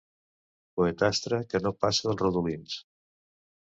Poetastre que no passa dels rodolins.